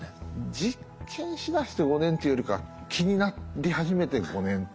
実験しだして５年というよりかは気になり始めて５年って感じで。